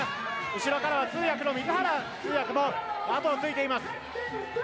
後ろからは通訳の水原通訳も後をついています。